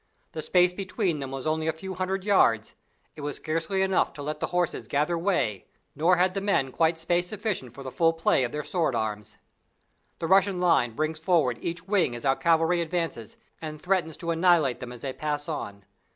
The space between them was only a few hundred yards; it was scarcely enough to let the horses "gather way," nor had the men quite space sufficient for the full play of their sword arms. The Russian line brings forward each wing as our cavalry advance, and threatens to annihilate them as they pass on.